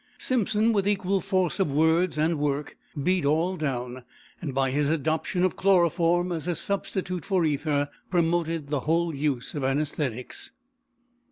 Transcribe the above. Simpson, with equal force of words and work, beat all down; and by his adoption of chloroform as a substitute for ether promoted the whole use of anæsthetics.